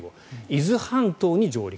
伊豆半島に上陸。